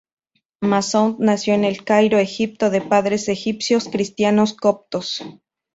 Massoud nació en El Cairo, Egipto, de padres egipcios cristianos coptos.